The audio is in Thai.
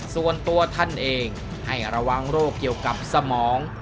ส่วนตัวท่านเองให้ระวังโรคเกี่ยวกับสมอง